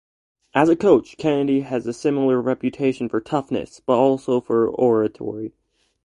As a coach, Kennedy has a similar reputation for toughness, but also for oratory.